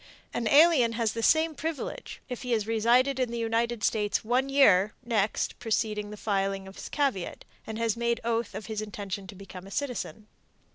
An alien has the same privilege, if he has resided in the United States one year next preceding the filing of his caveat, and has made oath of his intention to become a citizen.